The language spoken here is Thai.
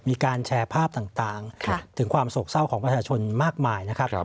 มีการแชร์ภาพต่างถึงความโศกเศร้าของประชาชนมากมายนะครับ